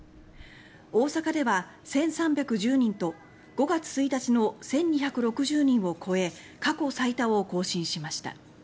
大阪では１３１０人と５月１日の１２６０人を超え過去最多を更新しました。